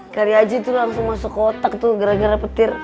dari aji tuh langsung masuk kotak tuh gara gara petir